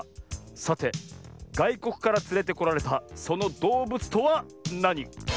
さてがいこくからつれてこられたそのどうぶつとはなに？